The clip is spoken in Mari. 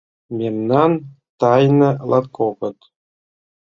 Мемнан тайна латкокыт.